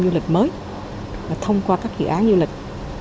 du lịch mới thông qua các dự án du lịch